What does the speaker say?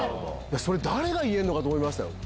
誰が言えるのか？と思いましたよ